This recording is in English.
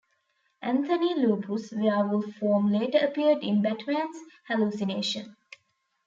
Anthony Lupus' werewolf form later appeared in Batman's hallucination.